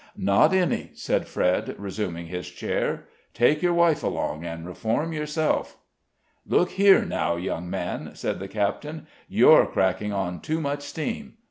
"Not any," said Fred, resuming his chair; "take your wife along, and reform yourself." "Look here, now, young man," said the captain, "you're cracking on too much steam.